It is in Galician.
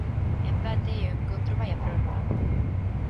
Empate e o encontro vai á prórroga.